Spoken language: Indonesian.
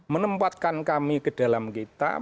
menempatkan kami ke dalam kita